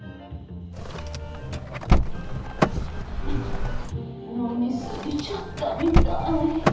あっ飲み過ぎちゃったみたい。